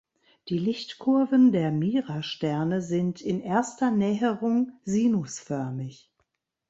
Die Lichtkurven der Mira-Sterne sind in erster Näherung sinusförmig.